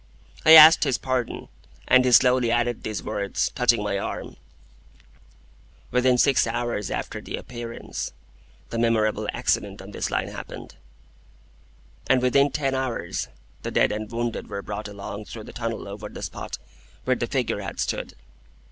I asked his pardon, and he slowly added these words, touching my arm,— "Within six hours after the Appearance, the memorable accident on this Line happened, and within ten hours the dead and wounded were brought along through the tunnel over the spot where the figure had stood."